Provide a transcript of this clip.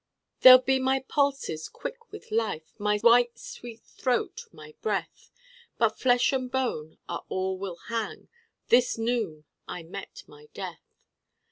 _ There'll be my pulses quick with life, My white sweet throat, my breath: But flesh and bone are all will hang. _This noon I met my death.